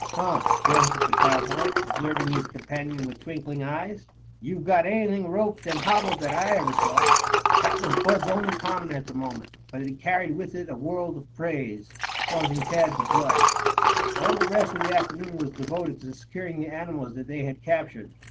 "Huh!" grunted the cowboy, observing his companion with twinkling eyes. "You've got anything roped and hobbled that I ever saw." That was Bud's only comment at the moment, but it carried with it a world of praise, causing Tad to blush. All the rest of the afternoon was devoted to securing the animals that they had captured.